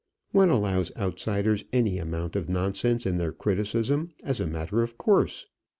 One allows outsiders any amount of nonsense in their criticism, as a matter of course.